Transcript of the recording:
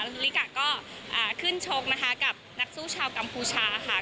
ลิกะก็ขึ้นชกนะคะกับนักสู้ชาวกัมพูชาค่ะ